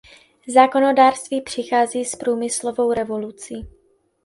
Zákonodárství přichází s průmyslovou revolucí.